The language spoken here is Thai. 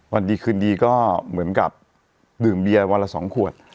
วันดีคืนดีก็เหมือนกับดื่มเบียวันละ๒ขวด